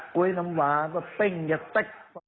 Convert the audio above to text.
กล้วยสำวาก็เต้งแยะเต๊ะ